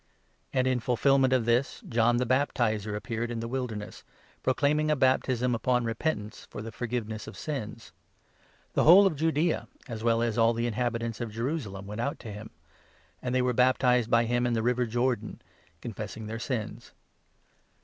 '" And in fulfilment of this, John the Baptizer appeared in the 4 Wilderness, proclaiming a baptism upon repentance, for the forgiveness of sins. The whole of Judaea, as well as all the 5 inhabitants of Jerusalem, went out to him ; and they were baptized by him in the river Jordan, confessing their sins.